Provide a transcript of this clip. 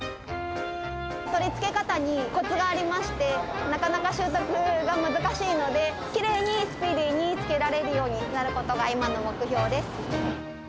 取り付け方にこつがありまして、なかなか習得が難しいので、きれいに、スピーディーにつけられるようになることが、今の目標です。